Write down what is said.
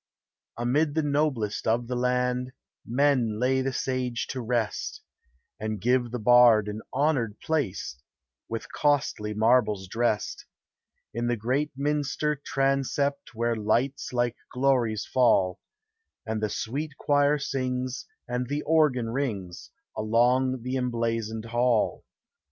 Amid the noblest of the land Men lay the sage to rest, And give the bard an honored place, With costly marbles drest, In the great minster transept Where lights like glories fall, And the sweet choir sings, and the organ rings Along the emblazoned hall.